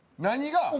何が？